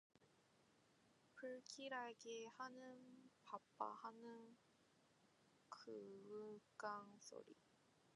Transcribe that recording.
불길하게 하는 빡빡 하는 그윽한 소리